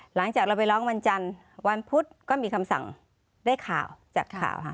หลังจากเราไปร้องวันจันทร์วันพุธก็มีคำสั่งได้ข่าวจากข่าวค่ะ